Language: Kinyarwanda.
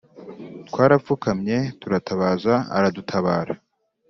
twarapfukamye turatabaza aradutabara